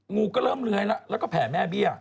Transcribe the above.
งูก็เริ่มเร้อยแล้วก็แผงแม่เบี้ย